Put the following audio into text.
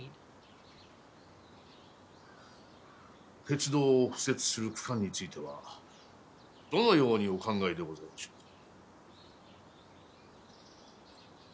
鉄道を敷設する区間についてはどのようにお考えでございましょうか？